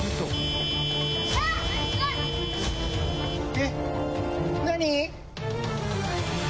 えっ何？